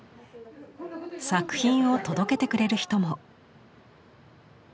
作品を届けてくれる人も。